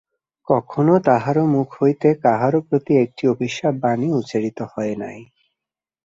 কখনও তাঁহার মুখ হইতে কাহারও প্রতি একটি অভিশাপ-বাণী উচ্চারিত হয় নাই।